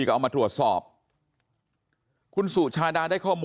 แล้วก็ยัดลงถังสีฟ้าขนาด๒๐๐ลิตร